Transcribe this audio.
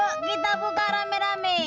yuk kita buka rame rame